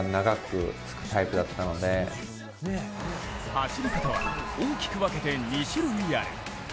走り方は大きく分けて２種類ある。